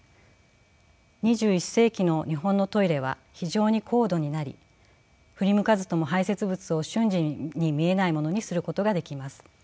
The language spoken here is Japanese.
２１世紀の日本のトイレは非常に高度になり振り向かずとも排泄物を瞬時に見えないものにすることができます。